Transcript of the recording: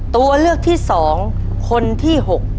ตัวเลือกที่๒คนที่๖